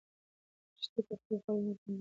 لښتې په خپلو خالونو باندې د اوښکو لاره ولیده.